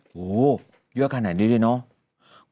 โหเยอะขนาดนี้เลยเนอะ